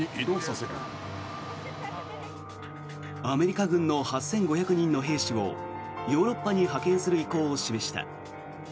アメリカ軍の８５００人の兵士をヨーロッパに派遣する意向を示した。